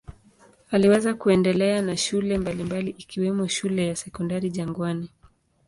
Aliweza kuendelea na shule mbalimbali ikiwemo shule ya Sekondari Jangwani.